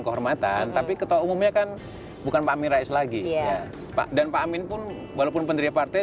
kehormatan tapi ketua umumnya kan bukan pak amin rais lagi ya pak dan pak amin pun walaupun pendiri partai